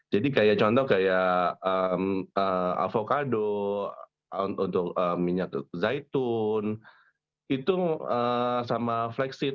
jadi contoh kayak avocado minyak zaitun itu sama flaxseed